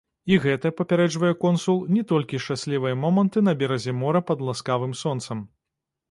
І гэта, папярэджвае консул, не толькі шчаслівыя моманты на беразе мора пад ласкавым сонцам.